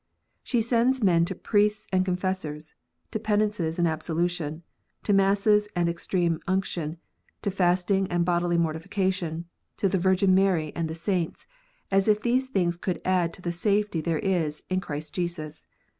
She sends men to priests and con fessors, to penances and absolution, to masses and extreme unction, to fasting and bodily mortification, to the Virgin Mary and the saints, as if these things could add to the safety there is in Christ Jesus.